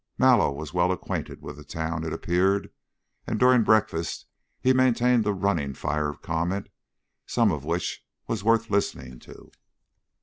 Mallow was well acquainted with the town, it appeared, and during breakfast he maintained a running fire of comment, some of which was worth listening to.